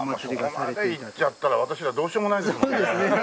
もうそこまでいっちゃったら私らどうしようもないですもんね。